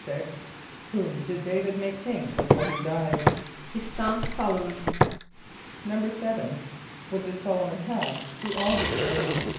= Whom did D[=a]´vid make king before he died? =His son S[)o]l´o mon.= =7.= What did S[)o]l´o mon have through all his reign?